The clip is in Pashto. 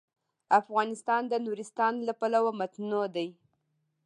افغانستان د نورستان له پلوه متنوع دی.